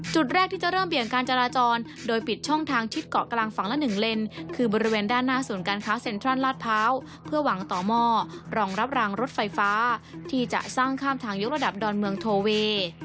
จุดแรกที่จะเริ่มเบี่ยงการจราจรโดยปิดช่องทางชิดเกาะกลางฝั่งละ๑เลนคือบริเวณด้านหน้าศูนย์การค้าเซ็นทรัลลาดพร้าวเพื่อหวังต่อหม้อรองรับรางรถไฟฟ้าที่จะสร้างข้ามทางยกระดับดอนเมืองโทเวย์